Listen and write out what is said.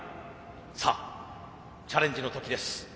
さあチャレンジの時です。